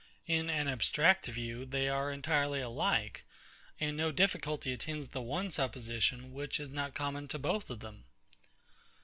In an abstract view, they are entirely alike; and no difficulty attends the one supposition, which is not common to both of them.